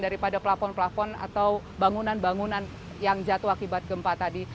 daripada pelafon pelafon atau bangunan bangunan yang jatuh akibat gempa tadi